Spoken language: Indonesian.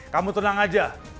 kamu tenang aja